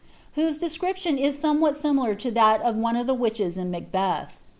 whfwc descnption it iomcwhol similar to tliat of one of the witches in Macbeth.'